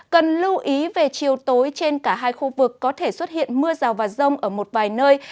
cần lưu ý về chiều tối trên cả hai khu vực có thể xuất hiện mưa rào và rông ở một vài nơi